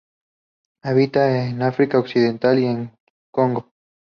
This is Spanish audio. Habita en África occidental y el Congo.